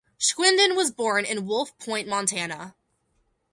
Schwinden was born in Wolf Point, Montana.